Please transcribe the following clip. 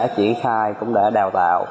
triển khai cũng đã đào tạo